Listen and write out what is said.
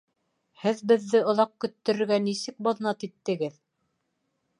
Һеҙ беҙҙе оҙаҡ көттөрөргә нисек баҙнат иттегеҙ?